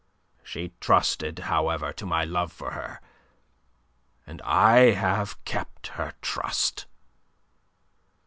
She trusted, however, to my love for her, and I have kept her trust."